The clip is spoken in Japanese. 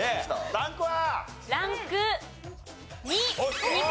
ランクは？